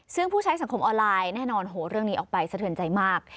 ซึ่งผู้ใช้สังคมออนไลน์แน่นอนโหเรื่องนี้ออกไปสะเทือนใจมาก